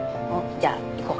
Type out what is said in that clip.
じゃあ行こう。